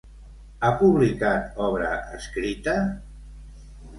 Ha publicat obra escrita?